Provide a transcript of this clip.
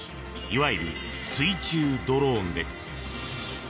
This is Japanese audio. いわゆる水中ドローンです。